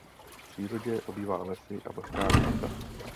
V přírodě obývá lesy a vlhká místa.